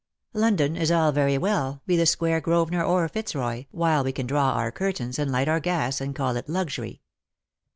London is all very well, be the square Grosvenor or Fitzroy, while we can draw our curtains, and light our gas, and call it luxury.